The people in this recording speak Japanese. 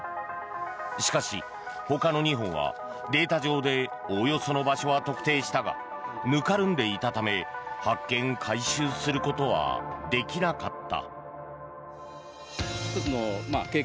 しかし、ほかの２本はデータ上でおおよその場所は特定したがぬかるんでいたため発見・回収することはできなかった。